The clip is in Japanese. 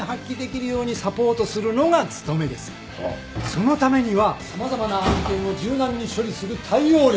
そのためには様々な案件を柔軟に処理する対応力。